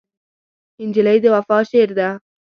نجلۍ د وفا شعر ده.